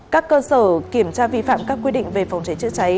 các cơ sở kiểm tra vi phạm các quy định về phòng cháy chữa cháy